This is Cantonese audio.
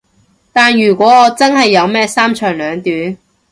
但如果我真係有咩三長兩短